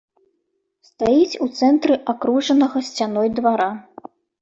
Стаіць у цэнтры акружанага сцяной двара.